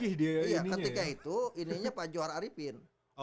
iya ketika itu ininya pak johar arifin